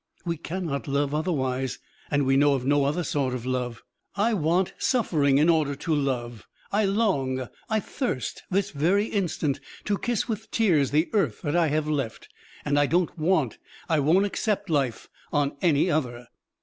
We cannot love otherwise, and we know of no other sort of love. I want suffering in order to love. I long, I thirst, this very instant, to kiss with tears the earth that I have left, and I don't want, I won't accept life on any other!"